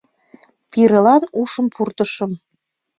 Пирылан ушым пуртышым.